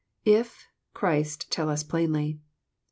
.. Christ, tell us plainly.